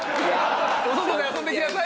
「お外で遊んできなさい」。